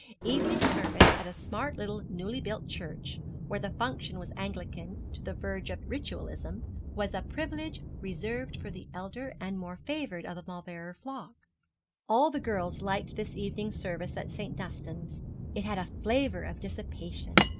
Evening service at a smart little newly built church, where the function was Anglican to the verge of Ritualism, was a privilege reserved for the elder and more favoured of the Mauleverer flock. All the girls liked this evening service at St. Dunstan's. It had a flavour of dissipation.